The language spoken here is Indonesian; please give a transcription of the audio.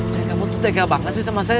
saya kamu tuh tega banget sih sama saya